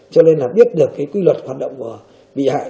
cho nên là biết được cái quy luật hoạt động của bị hại